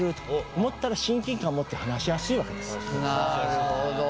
なるほど。